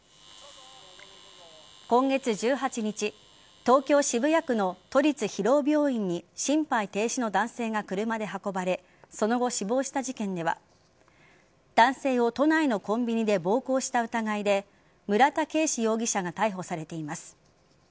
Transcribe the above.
今月１８日東京・渋谷区の都立広尾病院に心肺停止の男性が車で運ばれその後、死亡した事件では男性を都内のコンビニで暴行した疑いで村田圭司容疑者が逮捕されています。